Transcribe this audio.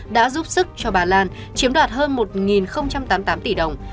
đã giúp sức cho bà lan chiếm đoạt hơn một tám mươi tám tỷ đồng